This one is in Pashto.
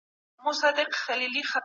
پر غره باندي نوي واوره ورېدلې ده.